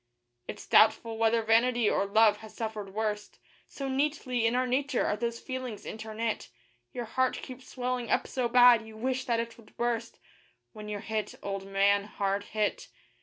It's doubtful whether vanity or love has suffered worst, So neatly in our nature are those feelings interknit, Your heart keeps swelling up so bad, you wish that it would burst, When you're hit, old man hard hit.